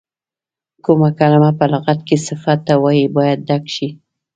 کومه کلمه په لغت کې صفت ته وایي باید ډکه شي.